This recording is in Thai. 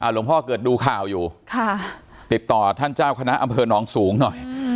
หลวงพ่อเกิดดูข่าวอยู่ติดต่อท่านเจ้าคณะอำเภอน้องสูงหน่อย